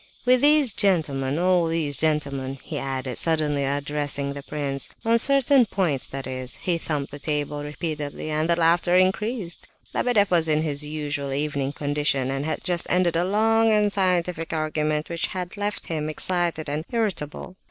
With these gentlemen... all these gentlemen," he added, suddenly addressing the prince, "on certain points... that is..." He thumped the table repeatedly, and the laughter increased. Lebedeff was in his usual evening condition, and had just ended a long and scientific argument, which had left him excited and irritable.